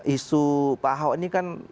isu pak ahok ini kan